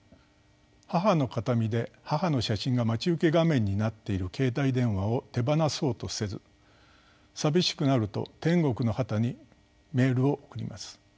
母の形見で母の写真が待ち受け画面になっている携帯電話を手放そうとせず寂しくなると天国の母にメールを送ります。